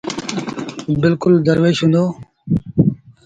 بلڪل دروش هُݩدو۔